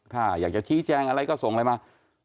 ถ้าอยากจะชี้แจงอะไรก็ส่งอะไรมา